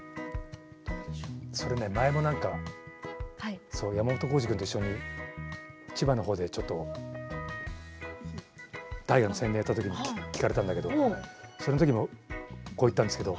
それね前もなんか山本耕史君と一緒に千葉のほうでちょっと大河の宣伝をやったときに聞かれたんだけどそのときもこう言ったんです。